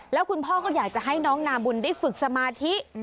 แล้วคุณพ่อก็อยากจะให้น้องนาบุญได้ฝึกสมาธิ